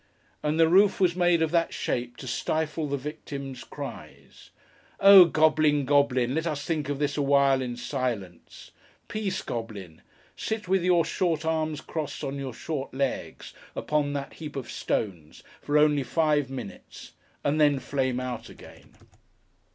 And the roof was made of that shape to stifle the victim's cries! Oh Goblin, Goblin, let us think of this awhile, in silence. Peace, Goblin! Sit with your short arms crossed on your short legs, upon that heap of stones, for only five minutes, and then flame out again.